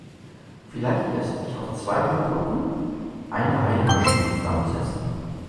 Vielleicht lässt sich aus zwei kaputten eine heile Maschine zusammensetzen.